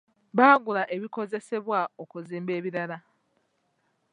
Baagula ebikozesebwa okuzimba ebirala.